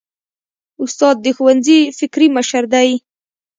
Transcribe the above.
استاد د ښوونځي فکري مشر دی.